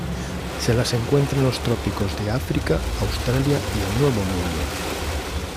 Se las encuentra en los trópicos de África, Australia y el nuevo mundo.